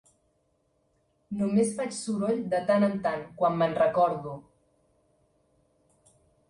Només faig soroll de tant en tant, quan me'n recordo.